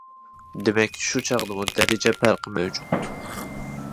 دېمەك شۇ چاغدىمۇ دەرىجە پەرقى مەۋجۇت.